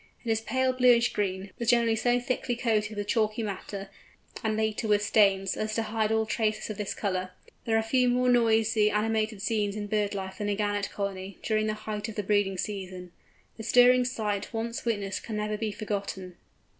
It is pale bluish green, but generally so thickly coated with chalky matter—and later with stains—as to hide all trace of this colour. There are few more noisy animated scenes in bird life than a Gannet colony, during the height of the breeding season. The stirring sight once witnessed can never be forgotten.